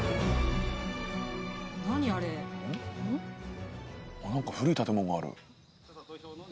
何か古い建物がある。